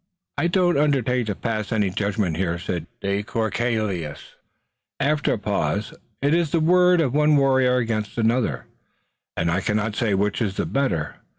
"I don't undertake to pass any judgment here," said de Courcelles, after a pause. "It is the word of one warrior against another, and I cannot say which is the better.